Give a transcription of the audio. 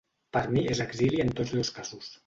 Per mi és exili en tots dos casos.